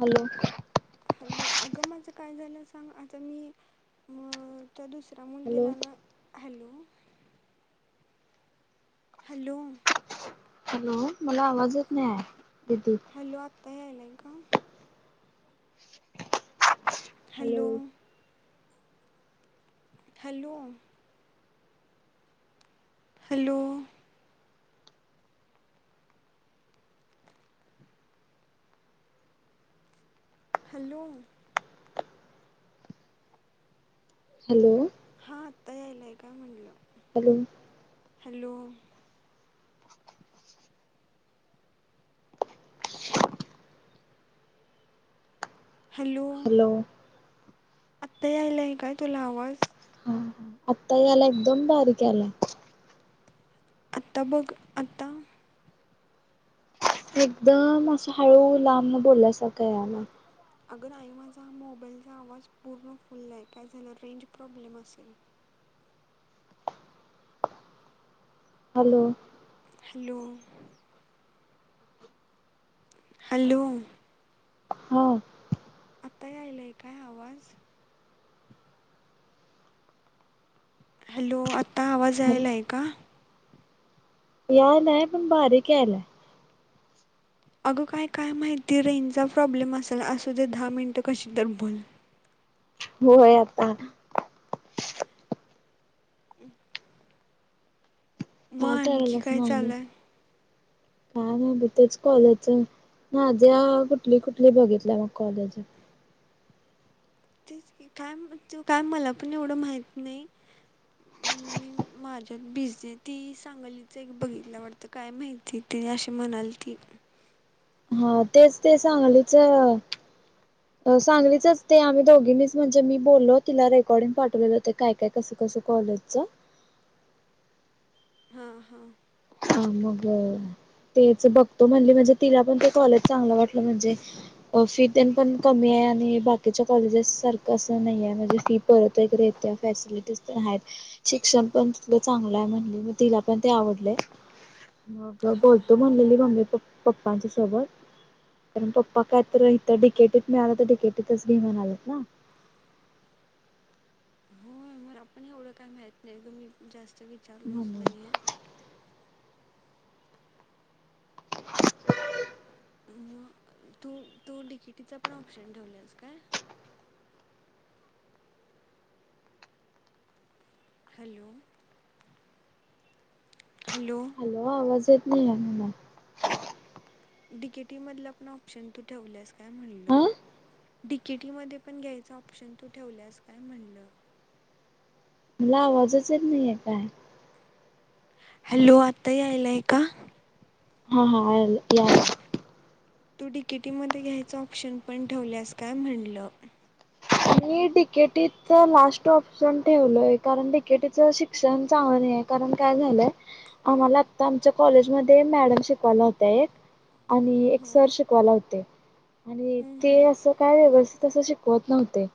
Hello hello अगं माझं काय झालं सांग अजून मी अ त्या दुसऱ्या मुलगीला ना हॅलो हॅलो हॅलो मला आवाज येत नाये हॅलो आता यायलाय का hello hello hello hello hello आता यायलाय का म्हणलं हॅलो हॅलो हॅलो आत्ता यायलाय काय तुला आवाज आत्ता यायलाय एकदम बारीक यायला आता बघ आता एकदम असं हळू लांब बोलल्यासारखय यायला अगं नाही माझा हा मोबाईल चा आवाज पूर्ण फुल काय झालं रेंज प्रॉब्लेम असेल हॅलो हॅलो हॅलो हा आता यायलाय काय आवाज हॅलो आता आवाज यायलाय का यायला पण बारीक यायला अगं काय काय माहिती रेंजचा प्रॉब्लेम असाल असू दे दहा मिनिटं कशी तर बोल होय आता [inaudible] काय करायलाय मग काय नाही तर कॉलेज आहे हा ज्या कुठली कुठली बघितली कॉलेज तेच की काय म्हणते मला पण एवढं माहित नाही मी माझ्यात बीजी ती सांगायला बघितलं वाटतं काय माहिती ते हे अशी म्हणाल ती हा तेच ते सांगलीच सांगलीचे तेआम्ही दोघींनीच म्हणजे मी बोललो तिला रेकॉर्डिंग पाठवले होते काय काय कसं कसं कॉलेज च हा हा आ मग तेच बघतो म्हणजे तिला पण ते कॉलेज चांगलं वाटलं म्हणजे फी अन् ते पण कमी आहे आणि बाकीच्या कॉलेजेस सारखं अस नाहीे म्हणजे फी परत वगैरे येत फॅसिलिटीज तर आहेत शिक्षण पण लय चांगलं आहे म्हणली मग तिला पण ते आवडले मग बोलतो म्हणलेली मम्मी पप्पांच्या सोबत परंतु पकात्र इथं डिकेतच मिळालं तर डिकेतीच घे म्हणालेत हो मला पण एवढं काही माहीत नाही तुम्ही जास्त मी विचारलं नाही तू तू डिकीटीच पण ऑप्शन थेवलास काय हॅलो हॅलो आवाज येत नाही मला डिकेटी मधला पण ऑप्शन तू ठेवल्यास काय म्हणलं डीकेटी मध्ये पण घ्यायचा ऑप्शन तू ठेवल्यास काय म्हणलं. मला आवाजचच नाही आहेे काय? हॅलो, आता आयलाय का? हा हा याला तू डीकिटीमध्ये घ्यायच ऑप्शन पण ठेवल्यास काय म्हणलं? मी डीकेटीत लास्ट ऑप्शन ठेवलंय. कारण डीकेटीच शिक्षण चांगल नाहीये. कारण काय झालंय आम्हाला आता आमच्या कॉलेजमध्ये मॅडम शिकवायला होत्या एक आणि एक सर शिकवायला होते. आणि ते असं काय व्यवस्थित असं शिकवत नव्हते.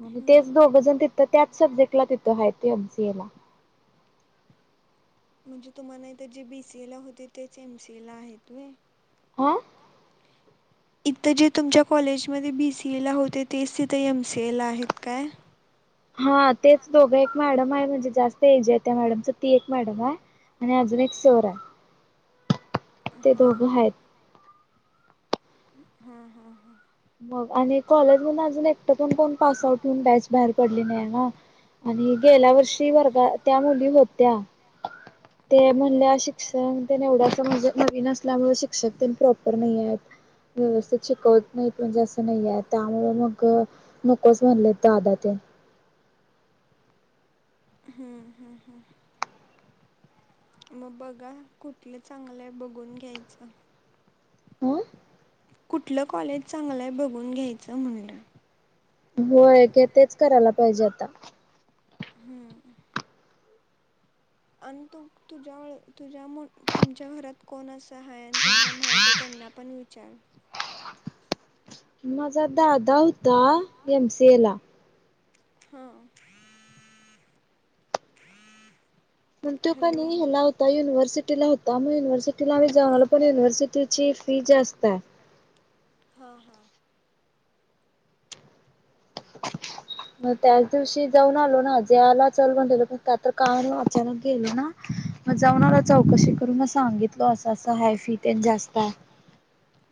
आणि तेच दोघं जण तिथं त्याच सब्जेक्ट ला तिथं आहे एमसीए ला. म्हणजे तुम्हाला इथे तर जे बीसीए ला होते तेच एमसीए ला आहेत होय. आ [inaudible] इथं जे तुमच्या कॉलेजमध्ये बीसीए ला होते तेच तिथे एमसीए ला आहेत काय? हा तेच दोघं एक मॅडम आहे म्हणजे जास्त एज आहे त्या मॅडमच ती एक मॅडम हाय. आणि अजून एक सर हाय. हा हा. हा हा हा. मग आणि कॉलेज मून अजून एकट पण कोण पास आउट होऊन बॅच बाहेर पडले नाहीये ना. आणि गेल्या वर्षी वर्गा त्या मुली होत्या. ते म्हणल्या शिक्षण तेन एवढ अस म्हणजे नवीन असल्यामुळे शिक्षक प्रॉपर नाहीयेत. व्यवस्थित शिकवत नाहीत. म्हणजे असं नाही आहे त्यामुळे मग नकोच म्हणले दादा तेन. हम्म हम्म हम्म. मग बघा. कुठलं चांगलं आहे बघून घ्यायचं. कुठलं कॉलेज चांगलंय बघून घ्यायचं म्हणलं. होय ते तेच करायला पाहिजे आता. हम्म. आणि तू तुझ्या तुझ्या तुमच्या घरात कोण असं हाय आणि त्यांना माहित त्यां ना पण विचार. माझा दादा होता एमसीए ला. हं. पण तो कणी हेला होता युनिव्हर्सि टिला होता मग युनिव्हर्सिटीला आम्ही जाऊन आलो पण युनव्हर्सिटीची फी जास्ताय. हा हा. मग त्याच दिवशी जाऊन आलो ना ज्याला चलवणल पण त्या तर काम अचानक गेल ना. मग जाऊन आला चौकशी करून म सांगितल असं असं हाय फी तेन जास्तय.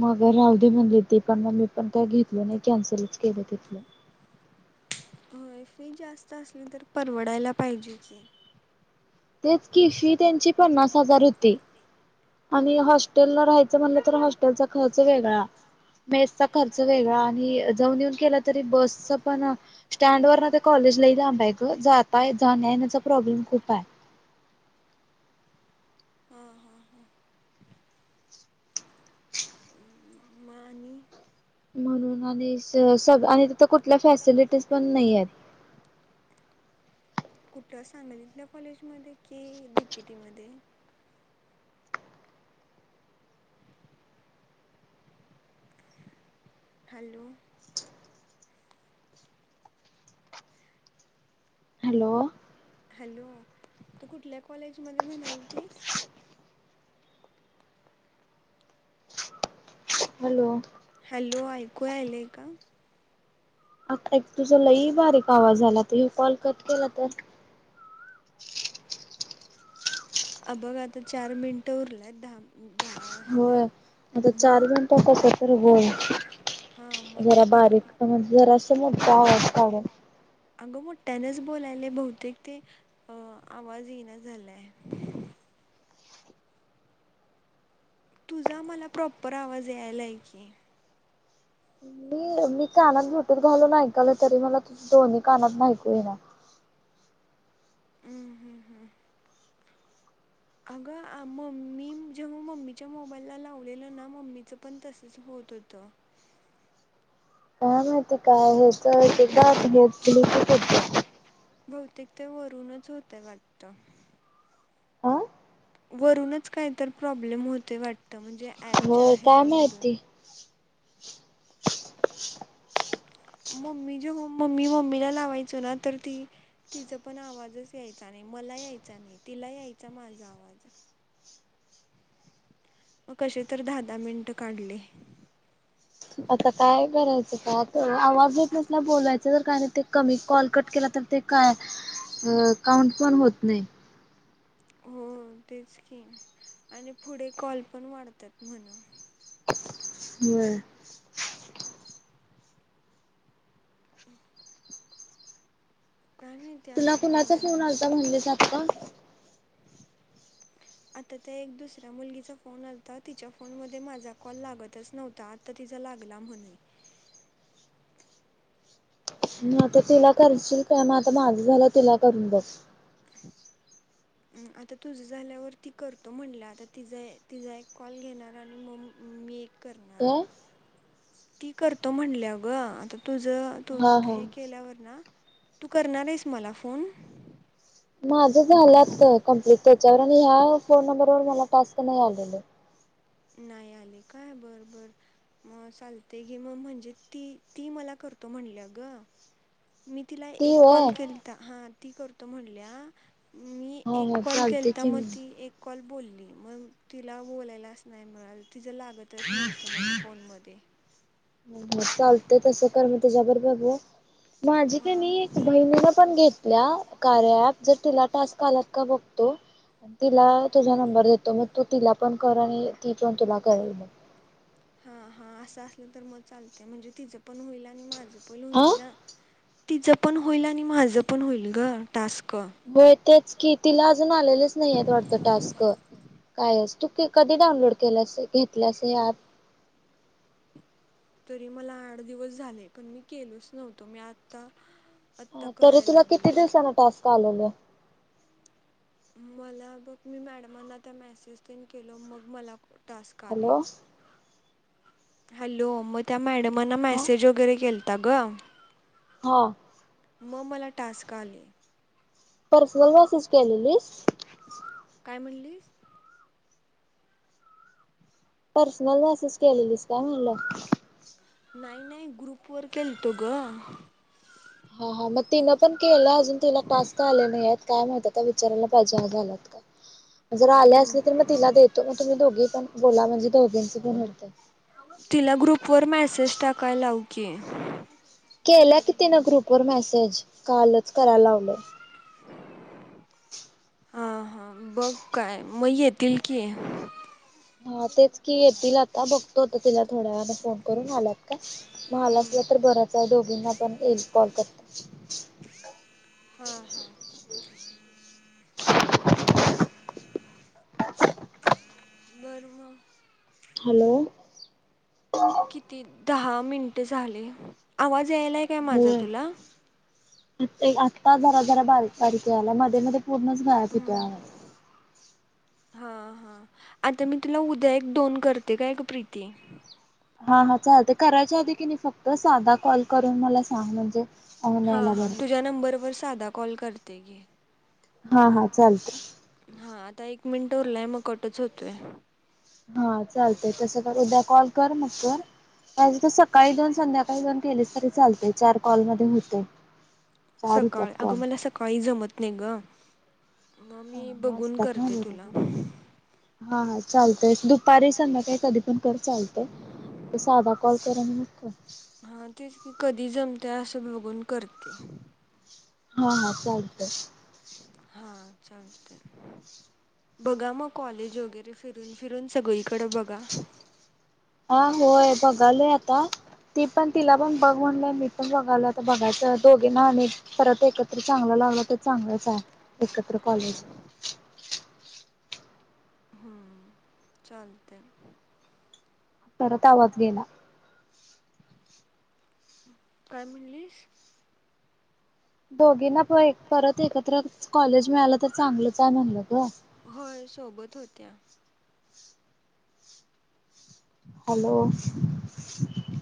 मग राहू दे म्हणली ती पण मग मी पण काय घेतलं नाही कॅन्सलच केलं तिथलं. होय, फी जास्त असली तर परवडायला पाहिजे की. तेच की फी त्यांची पन्नास हजार होती. आणि हॉस्टेलला राहायचं म्हणलं तर हॉस्टेलचा खर्च वेगळा. मेसचा खर्च वेगळा आणि जाऊन येऊन केला तरी बसच पण स्टँडवरण ते कॉलेज यली लांब हाय ग जातय जाण्याचा प्रॉब्लेम खूपाय. हा हा हा. म्हणून आणि तिथ कुठल्या फॅसिलिटीज पण नाहीयेत. [inaudible] कुठ सांगलीतल्या कॉलेज मध्ये कि डीकेटी मध्ये? [inaudible] हॅलो हॅलो हॅलो, तू कुठल्या कॉलेज मध्ये म्हणालतीस? हॅलो हॅलो, ऐकू आलय का? आता एक तुझा लई बारीक आवाज आला. आता हे कॉल कट केला तर, [inaudible] अ बघ आता चार मिनिटं उरलंय दहा होय आता चार मिनटा कस तर बोल. जरा बारीक म्हणजे जरास मोठा आवाज काढ. त्यानेच बोलायला बहुतेक ते अ आवाज येईन झालाय. तुझा मला प्रॉपर आवाज यायलाय की. मी कानात ब्लूटूथ घालून ऐकलोय तरी मला तुझ दोन्ही कानात ऐकू येइना. अग मम्मी जेव्हा मम्मीच्या मोबाईलला लावलेलं ना मम्मीच पण तसच हो त होत. काय माहिती काय हेच एकेकदा [unintelligible] बहूतेक ते वरूनच होतय वाटत.. वरूनच काहीतर प्रॉब्लेम होतोय वाटत म्हणजे हो काय माहती. [inaudible] मम्मी जे मम्मी मम्मीला लावायचो ना तर ती, तिचा पण आवाजच यायचा नाही मला यायचा नाही तिला यायचा माझा आवाज. मग कसे तर दहा दहा मिनिट काढले. आता काय करायचं का आ आवाज येत बोलायच तर काय नाही ते कमी कॉल कट केला तर ते काय काउंट पण होत नाही. हो तेच कीन आणि पुढे कॉल पण वाढतात म्हण. हम्. हम. तुला कुणाचा फोन आता म्हणलीस आता? [unintelligible] आता त्या एक दुसऱ्या मुलगीचा फोन आलता तिच्या फोन मध्ये माझा कॉल लागतच नव्हता आ ति लागला म्हणे. मग आता तिला करशील काय मग आता माझं झालं तिला करून बघ. अ आता तुझ झाल्यावर ती करतो म्हटलं आता ति तिचा एक कॉल घेणार आणि म मी करणार. ती करतो म्हणल्या गं आता तुझ तू हे केल्यावर ना तू करणार आहेस मला फोन? माझं झालं आता कंप्लीट त्याच्यावर आणि ह्या फोन नंबरवर मला टास्क नाही आलेले. नाही आले काय बर बर मग चालते की मग म्हणजे ती ती मला करतो म्हणला ग. मी तिला एक कॉल केलता. हा ती करतो म्हणल्या. मी एक कॉल केलता मग ती एक कॉल बोलली मग तिला बोलायलाच नाही मिळालं. तिचं लागतच नव्हतं म्हणे फोन मध्ये चालतय तसं कर मग तिझ्या बरोबर दोन. माझी क नाही एक बहिणीन पण घेतल्या कार्या अँप. जर तिला टास्क आलात का बघतो? तिला तुझा नंबर देतो मग तू तिला पण कर आणि ती पण तुला करेल मग. हा हा असं असलं तर मग चालतय म्हणजे तिचं पण होईल आणि माझं पण होईल ना तिच पण होईल आणि माझ पण होईल ग टास्क हो तेच कि तिला अजून आलेलेच नाही आहेत वाटत टास्क. कायस तू कधी डाउनलोड केलास घेतलंस हे अँप.? तरी मला आठ दिवस झाले पण मी केलोच नव्हतो मी आता तरी तुला किती दिवसाांना टास्क आलेले? मला बघ मी मॅडमांना त्या मेसेजतिन केलो मग मला टास्क आलय- हॅलो मग त्या मॅडम मना मेसेज वगैरे केलता ग. हा [inaudible] हो मला टास्क आले. पर्सनल मेसेच केलेलीस. काय म्हणलीस? पर्सनल मेसेज केलेलीस का म्हणलं [inaudible] नाही -नाही ग्रुप वर केलतो ग हा- हा मग तिनं पण केलं अजून तिला टास्क आले नाही काय माहित विचारायला पाहिजे झालात का. ह [inaudible] जर आले असले तर मग तिला देतो मग तुम्ही दोघी पण बोला म्हणजे दोघींचे पण होतय. तिला ग्रुपवर मेसेज टाकाय लाव की, केला की तिनं ग्रुप वर मेसेज कालच कराय लावलाय. [inaudible] हा हा बघ काय मग येतील की, हा तेच की येतील आता बघतो आता तिला थोड्या वेळान फोन करून आल्यात काय झालं असलं तर बरंच हाय दोघींना पण येईल. कोलकता बरं म हॅलो किती दहा मिनिटे झाले. आवाज यायलाय काय माझा तुला? येतय आत्ता जरा जरा बारीक बारीक यालाय मध्ये मध्ये पूर्णच गायप होतोय आवाज हा हा आता मी तुला उद्या एक दोन करते काय ग प्रीती. हा, हा चालतय करायच्या आधी की नय फक्त साधा कॉल करून मला सांग म्हणजे हा हा तुझ्या नंबर वर साधा कॉल करते की, हा हा चालतय. आता एक मिनिटं उरलाय म कटच होतोय. हा चालतय तसं कर उद्या कॉल कर मग कर त सकाळी दोन संध्याकाळी दोन केलेस तरी चालतील. चार कॉल मध्ये होतय चार होत्यात कॉल निंग हा वाजतात ना बरोबर हा चालतायत दु पारी संध्याकाळी कधी पण कर चालतय. पण साधा कॉल कर आणि मग कर. तेच की कधी जमतेय असं बघून करते. हा हा चालतय. हा चालतय. बघा मग कॉलेज वगैरे फिरून फिरून सगळीकड बघा हा होय बघालोय आता ती पण तिला पण बघ म्हणलोय मी पण बघालाय. तर बघायचं दोघींना आणि परत एकत्र चांगला लागला तर चांगलंच हाय एकत्र कॉलेज [inaudible] हम्म, चालतय. परत आवाज गेला. काय म्हणलीस दोघीना पण परत एकत्र कॉलेज मिळालं तर चांगलंच आहे म्हटल ग होय सोबत होत्या. हॅलो